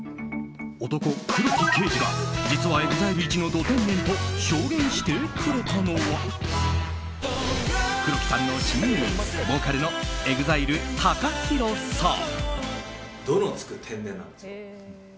男、黒木啓司が実はＥＸＩＬＥイチのド天然と証言してくれたのは黒木さんの親友ボーカルのＥＸＩＬＥＴＡＫＡＨＩＲＯさん。